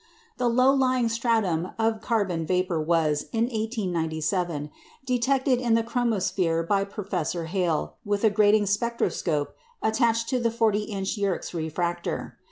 A low lying stratum of carbon vapour was, in 1897, detected in the chromosphere by Professor Hale with a grating spectroscope attached to the 40 inch Yerkes refractor.